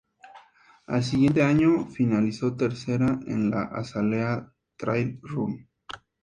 Al siguiente año, finalizó tercera en el Azalea Trail Run.